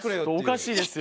おかしいですよ。